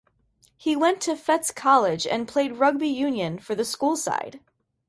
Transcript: He went to Fettes College and played rugby union for the school side.